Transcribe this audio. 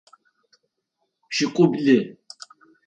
Пшӏыкӏублы.